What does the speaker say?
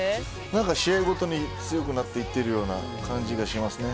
何か試合ごとに強くなっていっているような感じがしますね。